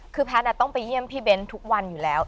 คือแพทย์ต้องไปเยี่ยมพี่เบ้นทุกวันอยู่แล้ว